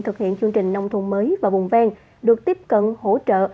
thực hiện chương trình nông thôn mới và vùng ven được tiếp cận hỗ trợ